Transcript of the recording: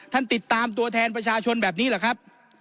ติดตามตัวแทนประชาชนแบบนี้เหรอครับ